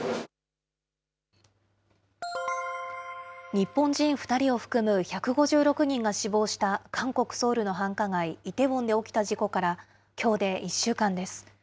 日本人２人を含む１５６人が死亡した、韓国・ソウルの繁華街、イテウォンで起きた事故から、きょうで１週間です。